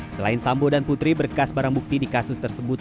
selain sambo dan putri berkas barang bukti di kasus tersebut